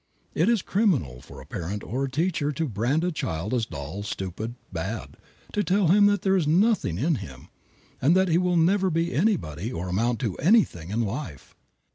It is criminal for a parent or teacher to brand a child as dull, stupid, bad; to tell him that there is nothing in him and that he will never be anybody or amount to anything in life.